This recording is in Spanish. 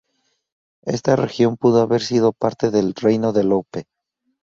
Esta región pudo haber sido parte del reino de Lope.